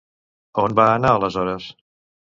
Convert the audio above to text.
On va anar aleshores?